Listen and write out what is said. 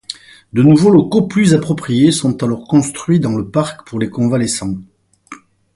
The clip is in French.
De nouveaux locaux plus appropriés sont alors construits dans le parc pour les convalescents.